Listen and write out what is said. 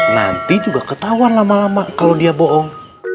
nanti juga ketahuan lama lama kalau dia bohong